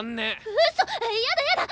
うっそやだやだ！